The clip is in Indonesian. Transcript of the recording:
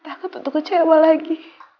takut untuk kecewa lagi